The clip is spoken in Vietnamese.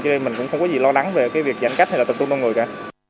cho nên mình cũng không có gì lo lắng về cái việc giãn cách hay là tập trung đông người cả